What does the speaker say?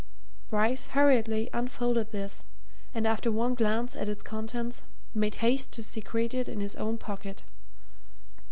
Bryce hurriedly unfolded this, and after one glance at its contents, made haste to secrete it in his own pocket.